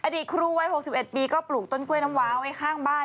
ครูวัย๖๑ปีก็ปลูกต้นกล้วยน้ำว้าไว้ข้างบ้าน